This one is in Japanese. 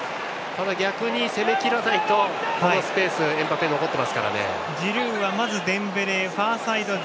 逆に攻めきらないとこのスペースにエムバペが残ってますから。